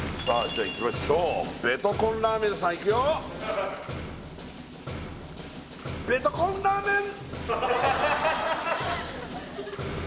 じゃあいきましょうベトコンラーメンさんいくよベトコンラーメン！